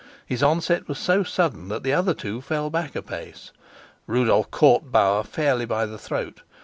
His onset was so sudden that the other two fell back a pace; Rudolf caught Bauer fairly by the throat.